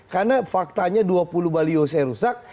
karena faktanya dua puluh baliho saya rusak